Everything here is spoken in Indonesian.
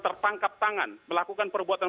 tertangkap tangan melakukan perbuatan